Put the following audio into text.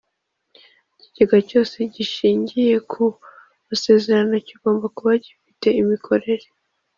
ikigega cyose gishingiye ku masezerano kigomba kuba gifite imikorere